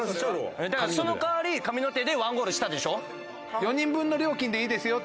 だからその代わり神の手で１ゴールしたでしょ。